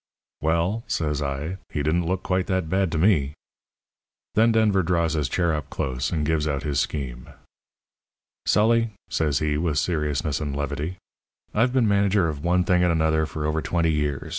"'Well,' says I, 'he didn't look quite that bad to me.' "Then Denver draws his chair up close and gives out his scheme. "'Sully,' says he, with seriousness and levity, 'I've been a manager of one thing and another for over twenty years.